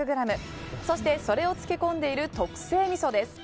そしてそれを漬け込んでいる特製みそです。